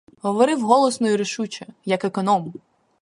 Говорив голосно і рішуче, як економ.